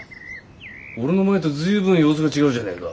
俺の前と随分様子が違うじゃねえか。